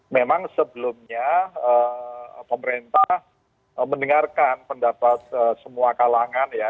memang sebelumnya pemerintah mendengarkan pendapat semua kalangan ya